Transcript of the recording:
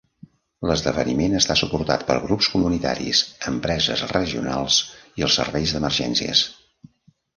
L'esdeveniment està suportat per grups comunitaris, empreses regionals i els serveis d'emergències,